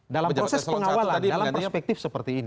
dalam proses pengawalan dalam perspektif seperti ini